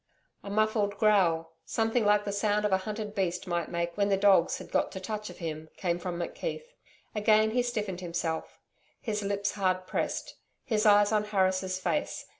A muffled growl, something like the sound a hunted beast might make when the dogs had got to touch of him, came from McKeith. Again he stiffened himself; his lips hard pressed; his eyes on Harris' face.